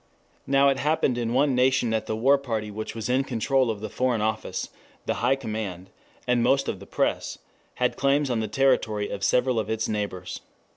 Now it happened in one nation that the war party which was in control of the foreign office, the high command, and most of the press, had claims on the territory of several of its neighbors.